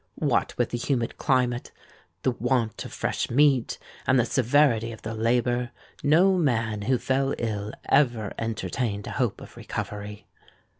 What with the humid climate, the want of fresh meat, and the severity of the labour, no man who fell ill ever entertained a hope of recovery.